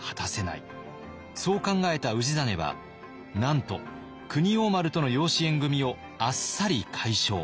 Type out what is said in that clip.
そう考えた氏真はなんと国王丸との養子縁組をあっさり解消。